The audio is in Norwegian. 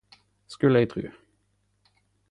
Skulle eg tru.